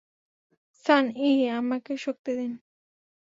সান Yi, আমাকে শক্তি দিন।